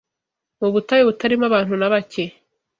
mu butayu butarimo abantu nabake